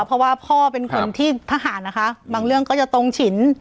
เพราะว่าพ่อเป็นคนที่ทหารนะคะบางเรื่องก็จะตรงฉิน